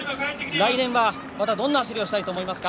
来年はまたどんな走りをしたいと思いますか？